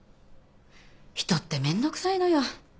人ってめんどくさいのよ。